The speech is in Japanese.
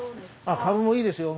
あっカブもいいですよ。